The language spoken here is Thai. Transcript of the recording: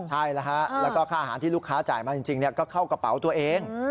ใช่แล้วฮะแล้วก็ค่าอาหารที่ลูกค้าจ่ายมาจริงก็เข้ากระเป๋าตัวเอง